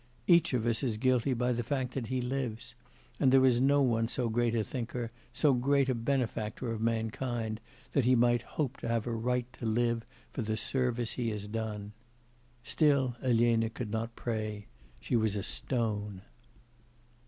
Each of us is guilty by the fact that he lives; and there is no one so great a thinker, so great a benefactor of mankind that he might hope to have a right to live for the service he has done.... Still Elena could not pray; she was a stone.